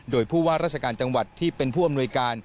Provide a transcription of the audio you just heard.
แดทประชาการจังหวัดที่เป็นผู้อำนวยการ